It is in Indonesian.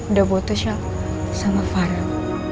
udah botos ya sama farel